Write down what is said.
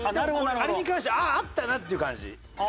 あれに関してはあああったなっていう感じ。